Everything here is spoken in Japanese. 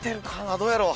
どうやろう？